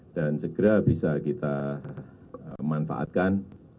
dan segera bisa kita manfaatkan